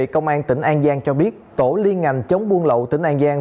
công an tỉnh an giang cho biết tổ liên ngành chống buôn lậu tỉnh an giang